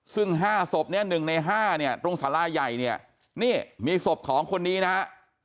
ซึ่ง๕ศพเนี่ย๑ใน๕เนี่ยตรงสาราใหญ่เนี่ยนี่มีศพของคนนี้นะฮะ